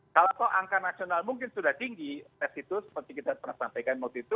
kalau angka nasional mungkin sudah tinggi tes itu seperti kita pernah sampaikan waktu itu